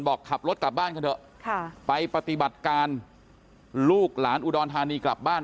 บอกขับรถกลับบ้านกันเถอะไปปฏิบัติการลูกหลานอุดรธานีกลับบ้าน